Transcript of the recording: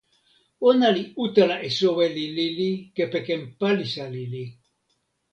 ona li utala e soweli lili kepeken palisa lili.